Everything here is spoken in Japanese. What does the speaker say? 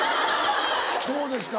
どうですか？